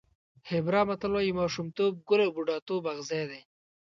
هېبرا متل وایي ماشومتوب ګل او بوډاتوب اغزی دی.